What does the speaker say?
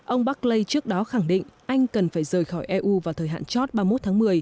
ông buckley trước đó khẳng định anh cần phải rời khỏi eu vào thời hạn chót ba mươi một tháng một mươi